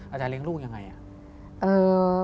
อาจารย์เล่งลูกอย่างไร